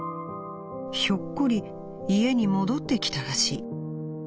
ひょっこり家に戻ってきたらしい。